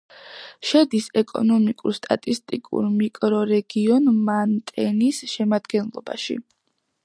შედის ეკონომიკურ-სტატისტიკურ მიკრორეგიონ მანტენის შემადგენლობაში.